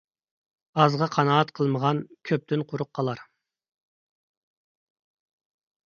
ئازغا قانائەت قىلمىغان كۆپتىن قۇرۇق قالار.